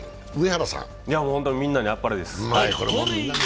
本当にみんなにあっぱれです。